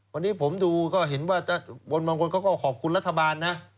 วันนี้ผมดูก็เห็นว่าบางคนเขาก็ขอบคุณรัฐบาลนะ